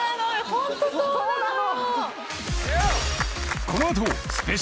ホントそうなのよ